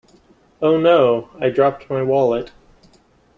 Oh No! I dropped my wallet!